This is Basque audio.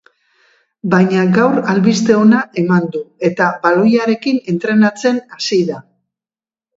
Baina gaur albiste ona eman du, eta baloiarekin entrenatzen hasi da.